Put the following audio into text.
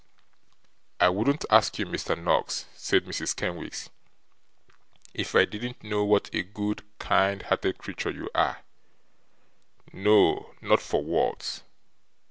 'I wouldn't ask you, Mr. Noggs,' said Mrs. Kenwigs, 'if I didn't know what a good, kind hearted creature you are; no, not for worlds.